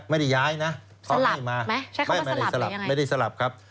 ไม่ได้ย้ายนะเขาไม่มาใช้คำว่าสลับหรือยังไงไม่ได้สลับครับ